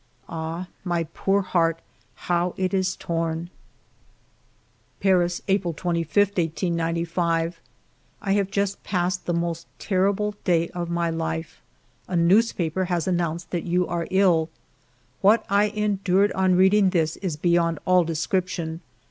Ah, my poor heart, how it is torn !"... "Paris, April 25, 1895. "... I have just passed the most terrible day of my life. A newspaper has announced that you are ill. What I endured on reading this is be yond all description.